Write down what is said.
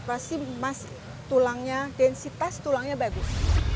pasti emas tulangnya densitas tulangnya bagus